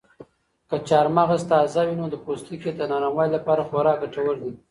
که چهارمغز تازه وي نو د پوستکي د نرموالي لپاره خورا ګټور دي.